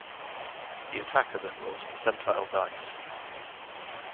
The attacker then rolls percentile dice.